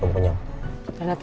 kekuatan yang diberikan kekuatan